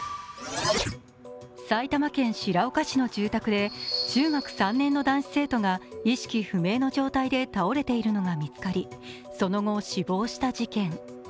埼玉県白岡市の住宅で中学３年の男子生徒が意識不明の状態で倒れているのが見つかり、その後死亡した事件。